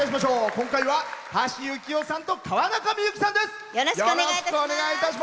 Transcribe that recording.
今回は橋幸夫さんと川中美幸さんです。